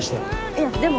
いやでも。